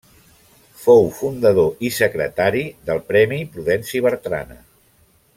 Fou fundador i secretari del premi Prudenci Bertrana.